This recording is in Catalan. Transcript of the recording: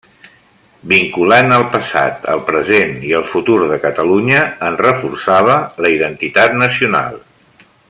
Vinculant el passat, el present i el futur de Catalunya, en reforçava la identitat nacional.